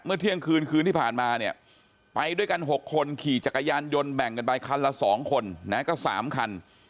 เที่ยงคืนคืนที่ผ่านมาเนี่ยไปด้วยกัน๖คนขี่จักรยานยนต์แบ่งกันไปคันละ๒คนนะก็๓คัน